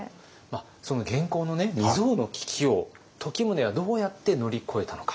その元寇の未曽有の危機を時宗はどうやって乗り越えたのか。